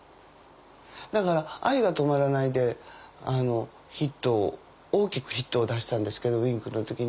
だから「愛が止まらない」でヒットを大きくヒットを出したんですけどＷｉｎｋの時に。